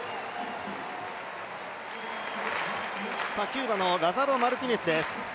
キューバのラザロ・マルティネスです。